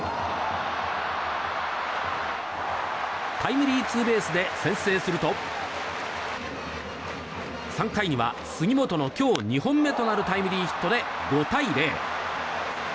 タイムリーツーベースで先制すると３階には杉本の今日２本目となるタイムリーヒットで５対０。